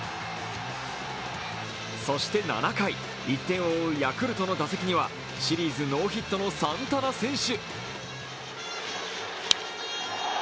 そして７回、１点を追うヤクルトの打席にはシリーズノーヒットのサンタナ選手。